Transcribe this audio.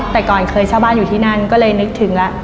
แต่ก่อนเคยเช่าบ้านอยู่ที่นั่นก็เลยนึกถึงแล้ว